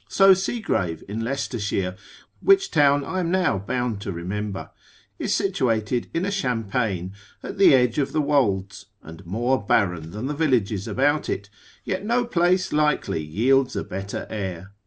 So Segrave in Leicestershire (which town I am now bound to remember) is situated in a champaign, at the edge of the wolds, and more barren than the villages about it, yet no place likely yields a better air.